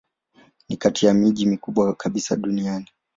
Ni kati ya miji mikubwa kabisa duniani.